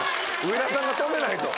上田さんが止めないと。